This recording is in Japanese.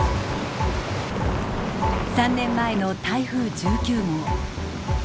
３年前の台風１９号。